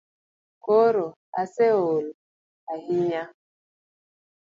Koro ase ol hahinya .